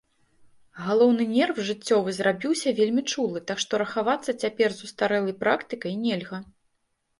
Галоўны нерв жыццёвы зрабіўся вельмі чулы, так што рахавацца цяпер з устарэлай практыкай нельга.